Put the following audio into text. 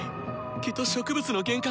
きっと植物の幻覚。